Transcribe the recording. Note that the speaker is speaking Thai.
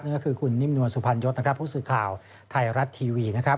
นั่นก็คือคุณนิ่มนวลสุพรรณยศนะครับผู้สื่อข่าวไทยรัฐทีวีนะครับ